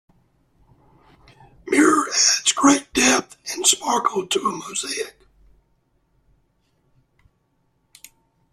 Mirror adds great depth and sparkle to a mosaic.